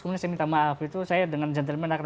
kemudian saya minta maaf itu saya dengan gentleman akan